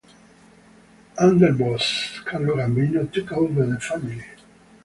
Underboss Carlo Gambino took over the family.